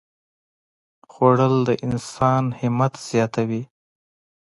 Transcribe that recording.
خوړل د انسان همت زیاتوي